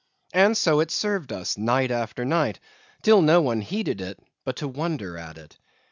And so it served us night after night, till no one heeded it but to wonder at it.